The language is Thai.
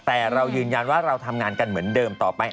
แต่เรายืนยันว่าเราทำงานกันเหมือนเดิมต่อไป